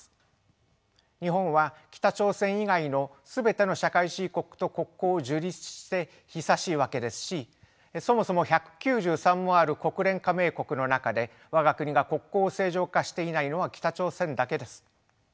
日本は北朝鮮以外の全ての社会主義国と国交を樹立して久しいわけですしそもそも１９３もある国連加盟国の中でわが国が国交を正常化していないのは北朝鮮だけです。